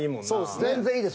全然いいです